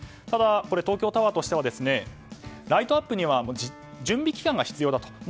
ただ、東京タワーとしてはライトアップには準備期間が必要だと。